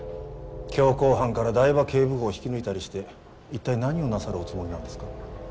強行犯から台場警部補を引き抜いたりして一体何をなさるおつもりなんですか？